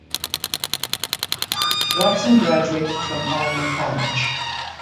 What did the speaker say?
Watson graduated from Alma College.